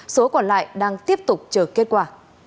số còn lại đang tiếp tục chờ kết quả